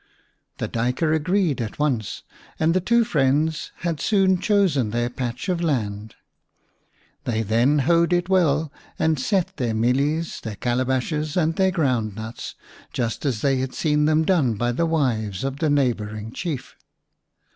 The Duyker agreed at once, and the two friends had soon chosen their patch of land. They then hoed it well and set their mealies, their calabashes, and their ground nuts, just as they had seen them done by the wives of the 43 The Rabbit Prince v neighbouring Chief.